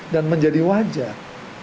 dan menjadi wajar